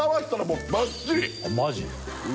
マジ？